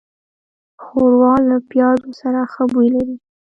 ښوروا له پيازو سره ښه بوی لري.